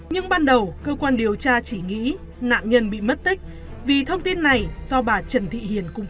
nhưng ban đầu cơ quan điều tra chỉ nghĩ nạn nhân bị mất tích vì thông tin này do bà trần thị hiền cung cấp